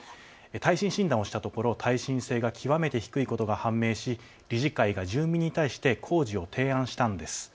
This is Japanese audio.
耐震診断をしたところ耐震性が極めて低いことが判明し理事会が住民に対して工事を提案したいんです。